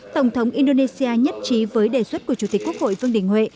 tổng thống indonesia nhất trí với đề xuất của chủ tịch quốc hội vương đình huệ